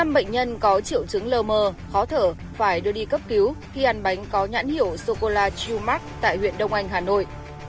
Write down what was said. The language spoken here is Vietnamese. năm bệnh nhân có triệu chứng lơ mơ khó thở phải đưa đi cấp cứu khi ăn bánh có nhãn hiểu chocolat chumac tại huyện đông anh hà nội